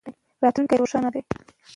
راتلونکی روښانه دی.